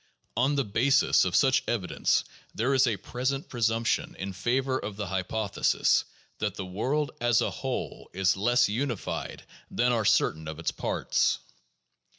On the basis of such evidence, there is a present presumption in favor of the hypothesis that the world as a whole is less unified than are certain of its parts.